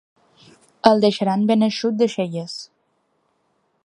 El deixarà ben eixut d'aixelles.